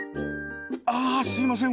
あすいません